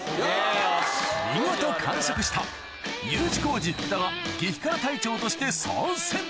見事完食したＵ字工事・福田が激辛隊長として参戦